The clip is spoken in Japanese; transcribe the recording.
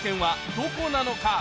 どこなのか？